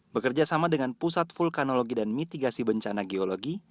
bekerja sama dengan pusat vulkanologi dan mitigasi bencana geologi